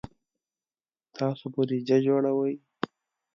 تاسو بودیجه جوړوئ؟